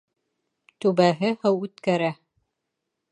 Түбәһе һыу үткәрә.